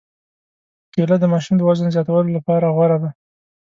کېله د ماشوم د وزن زیاتولو لپاره غوره ده.